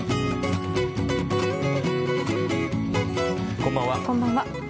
こんばんは。